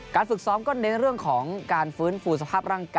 ฝึกซ้อมก็เน้นเรื่องของการฟื้นฟูสภาพร่างกาย